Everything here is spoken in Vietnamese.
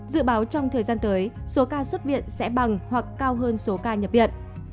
dự báo trong thời gian tới số ca xuất viện sẽ bằng hoặc cao hơn số ca nhập viện